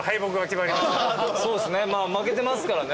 そうですね負けてますからね。